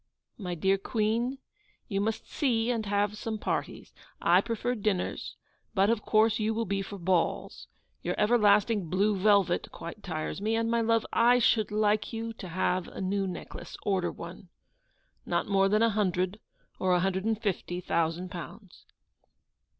My dear Queen, you must see and have some parties. I prefer dinners, but of course you will be for balls. Your everlasting blue velvet quite tires me: and, my love, I should like you to have a new necklace. Order one. Not more than a hundred or a hundred and fifty thousand pounds.